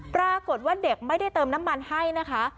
ปรากฏว่าเด็กไม่ได้เติมน้ำมันให้นะคะ